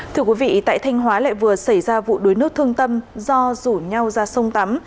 thưa quý vị tại thanh hóa lại vừa xảy ra vụ đuối nước thương tâm do rủ nhau ra sông tắm